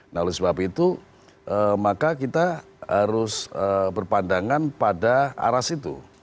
nah oleh sebab itu maka kita harus berpandangan pada aras itu